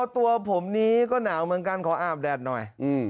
ตัวผมนี้ก็หนาวเหมือนกันขออาบแดดหน่อย